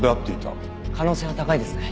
可能性は高いですね。